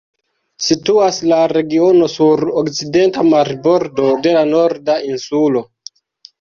Situas la regiono sur okcidenta marbordo de la Norda Insulo.